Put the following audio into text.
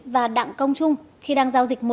và đặng công trung khi đang giao dịch